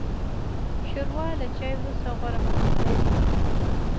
ښوروا له چای وروسته غوره خوند لري.